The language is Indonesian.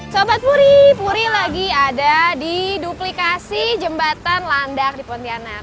sobat puri puri lagi ada di duplikasi jembatan landak di pontianak